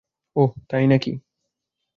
ওহ, তাই নাকি!